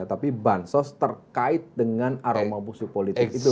tapi bansos terkait dengan aroma busuk politik itu